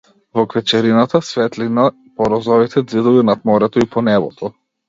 Во квечерината, светлина по розовите ѕидови над морето и по небото.